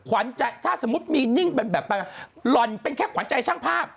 ว่าถ้าสมมติมีนิ่งแบบลอนเป็นแค่ขวัญใจช่างภาพ